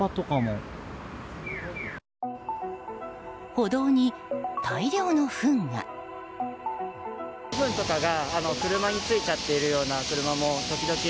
歩道に大量のフンが。